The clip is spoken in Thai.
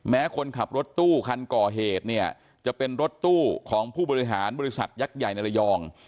คนขับรถตู้คันก่อเหตุเนี่ยจะเป็นรถตู้ของผู้บริหารบริษัทยักษ์ใหญ่ในระยอง